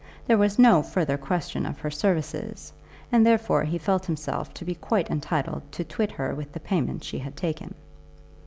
There was no further question of her services, and therefore he felt himself to be quite entitled to twit her with the payment she had taken.